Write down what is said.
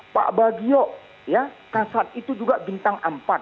pak bagiyo ya kasat itu juga bintang empat